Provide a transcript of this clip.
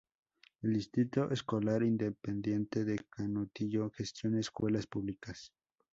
El Distrito Escolar Independiente de Canutillo gestiona escuelas públicas.